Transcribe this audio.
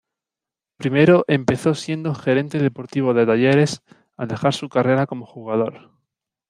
Primero empezó siendo Gerente Deportivo de Talleres al dejar su carrera como jugador.